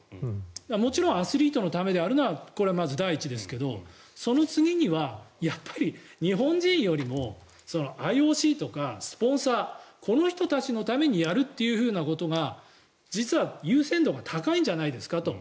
もちろんアスリートのためにあるというのは第一ですけどその次にはやっぱり日本人よりもＩＯＣとかスポンサーこの人たちのためにやるっていうことが実は優先度が高いんじゃないんですかと。